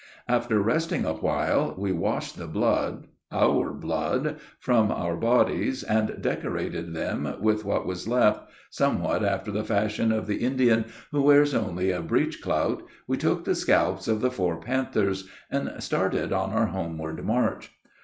After resting awhile, we washed the blood our blood from our bodies, and decorating them with "what was left," somewhat after the fashion of the Indian who wears only a "breech clout," we took the scalps of the four panthers, and started on our homeward march.